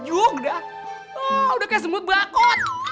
udah kayak semut bakut